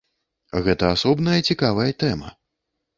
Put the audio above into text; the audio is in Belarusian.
Гэта асобная цікавая тэма.